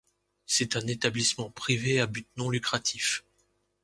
C'est un établissement privé à but non lucratif.